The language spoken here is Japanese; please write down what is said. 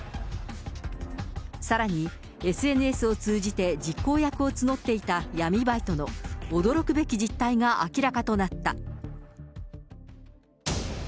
さらに、ＳＮＳを通じて実行役を募っていた闇バイトの驚くべき実態が明らかとなった。